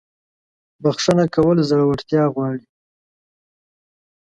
• بخښنه کول زړورتیا غواړي.